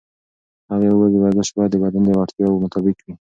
هغې وویل ورزش باید د بدن د وړتیاوو مطابق وي.